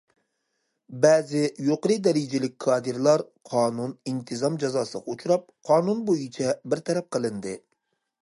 بەزى يۇقىرى دەرىجىلىك كادىرلار قانۇن، ئىنتىزام جازاسىغا ئۇچراپ، قانۇن بويىچە بىر تەرەپ قىلىندى.